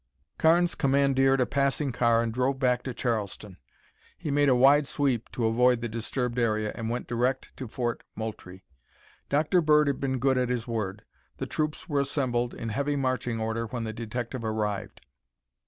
Carnes commandeered a passing car and drove back to Charleston. He made a wide sweep to avoid the disturbed area and went direct to Fort Moultrie. Dr. Bird had been good at his word. The troops were assembled in heavy marching order when the detective arrived.